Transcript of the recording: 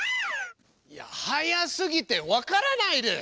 いや速すぎてわからないです。